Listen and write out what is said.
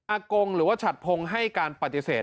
กงหรือว่าฉัดพงศ์ให้การปฏิเสธ